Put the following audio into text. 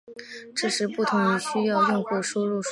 这是不同于需要用户输入数据的交互程序的概念。